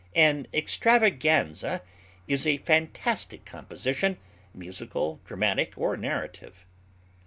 An extravaganza is a fantastic composition, musical, dramatic, or narrative.